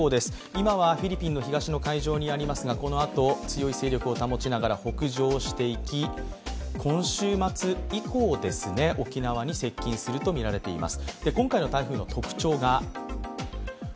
今はフィリピンの東にありますがこのあと、強い勢力を保ちながら北上していき今週末以降、沖縄に接近するとみられています。